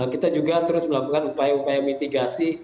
kita juga terus melakukan upaya upaya mitigasi